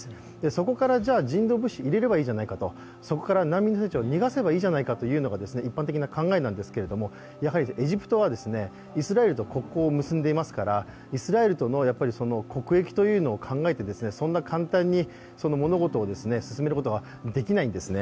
そこから人道物資、入れればいいじゃないかとそこから難民を逃がせばいいじゃないかというのが一般的な考えなんですけどもやはりエジプトはイスラエルと国交を結んでいますからイスラエルとの国益というのを考えてそんな簡単に物事を進めることができないんですね。